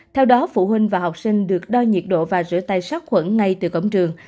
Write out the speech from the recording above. theo đó phụ huynh và học sinh được đo nhiệt độ và rửa tay sát khuẩn ngay từ cổng trường